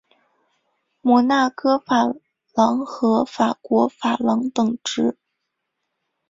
摩纳哥法郎和法国法郎等值。